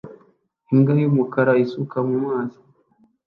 imbwa y'umukara isuka mu mazi